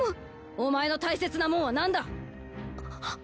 お前の大切なもんはなんだ⁉あっ。